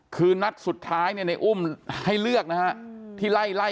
คือนัดสุดท้ายในอุ้มให้เลือกที่ไล่ไป